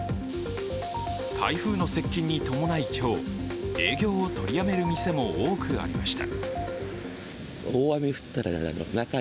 台風の接近に伴い、今日営業を取りやめる店も多くありました。